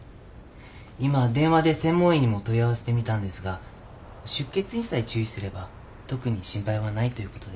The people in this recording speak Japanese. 今電話で専門医にも問い合わせてみたんですが出血にさえ注意すれば特に心配はないということです。